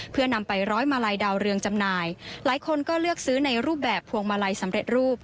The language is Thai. เพื่อนำไปร้อยมาลัยดาวเรืองจำหน่ายหลายคนก็เลือกซื้อในรูปแบบพวงมาลัยสำเร็จรูป